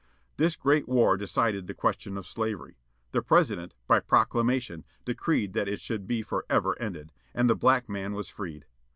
This great war decided the question of slavery. The President, by proclamation, decreed that it should be forever ended. And the black man was freed.